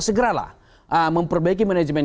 segeralah memperbaiki manajemen